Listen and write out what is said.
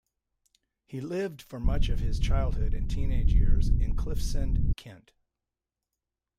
He lived for much of his childhood and teenage years in Cliffsend, Kent.